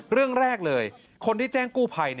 เรื่องแรกเลยคนที่แจ้งกู้ภัย